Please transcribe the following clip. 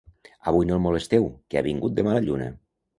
Avui no el molesteu, que ha vingut de mala lluna.